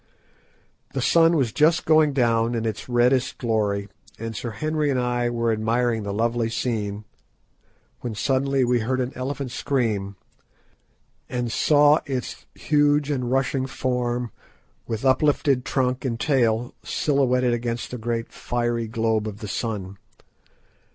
The sun was just going down in its reddest glory, and Sir Henry and I were admiring the lovely scene, when suddenly we heard an elephant scream, and saw its huge and rushing form with uplifted trunk and tail silhouetted against the great fiery globe of the sun.